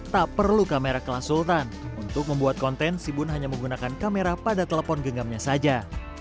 tak perlu kamera kelas sultan untuk membuat konten sibun hanya menggunakan kamera pada telepon genggamnya saja